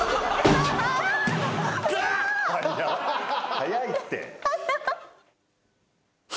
早いって。